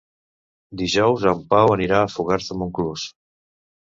Dijous en Pau anirà a Fogars de Montclús.